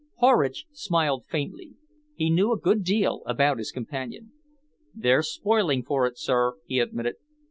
Horridge smiled faintly. He knew a good deal about his companion. "They're spoiling for it, sir," he admitted.